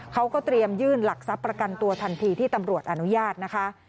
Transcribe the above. เขาก็เตรียมยื่นหลักทรัพย์ประกันตัวทันทีที่ตำรวจอนุญาตนะคะ